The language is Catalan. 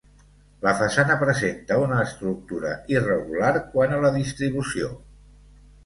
La façana presenta una estructura irregular quant a la distribució.